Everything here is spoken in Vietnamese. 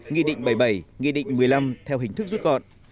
nghị định bảy mươi bảy nghị định một mươi năm theo hình thức rút gọn